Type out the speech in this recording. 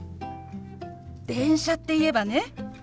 「電車」っていえばね